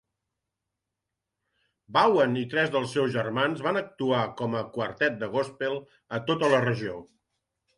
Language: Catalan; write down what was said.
Vaughan i tres dels seus germans van actuar com a quartet de gospel a tota la regió.